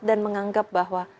dan menganggap bahwa